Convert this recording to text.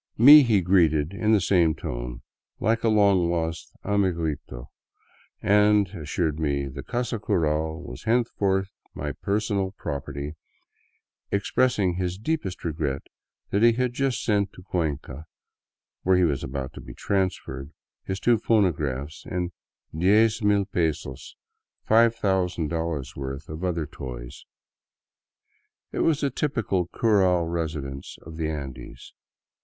Me he greeted in the same tone, like a long lost " amiguito," and assured me the casa cural was henceforth my personal property, expressing his deepest regret that he had just sent to Cuenca, where he was about to be transferred, his two phonographs and " diez mil pesos" ($5000 worth) of other 200 THROUGH SOUTHERN ECUADOR toys. It was a typical cural residence of the Andes.